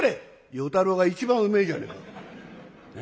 「与太郎が一番うめえじゃねえか」。